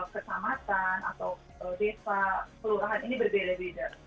kecamatan atau desa kelurahan ini berbeda beda